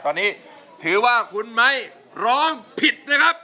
ตอนนี้ถือว่าคุณไม้ร้องผิดนะครับ